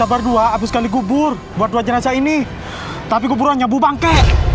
berdua habis kali gubur buat dua jenazah ini tapi kuburannya bubangke